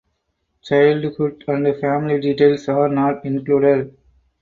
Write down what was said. Childhood and family details are not included.